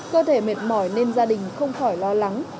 cơ thể mệt mỏi nên gia đình không khỏi lo lắng